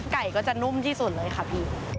ไก่ก็จะนุ่มที่สุดเลยค่ะพี่